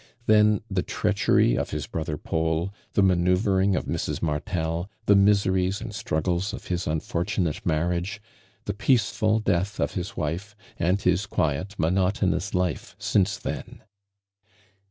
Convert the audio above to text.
Then the treachery of liis bi other Paul — the manajuvering of Mrs. Martel, the miseries and struggles of his unfortunate marriage — the peaceful <leath of his wife, and his quiet monotonous life since then.